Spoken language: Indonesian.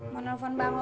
mau nelfon bang ojak